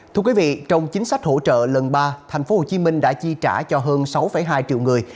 thưa quý vị trong chính sách hỗ trợ lần ba tp hcm đã chi trả cho hơn sáu hai triệu người